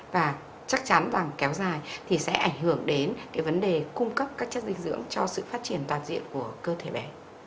và chắc chắn vàng kéo dài thì sẽ ảnh hưởng đến cái vấn đề cung cấp các chất dinh dưỡng cho sự phát triển toàn diện của cơ thể bé